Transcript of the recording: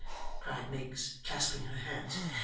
cried Miggs, clasping her hands.